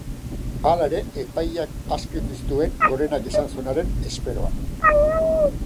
Hala ere epaileak aske utzi zituen Gorenak esan zuenaren esperoan.